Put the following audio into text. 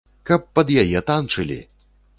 Каб пад яе танчылі!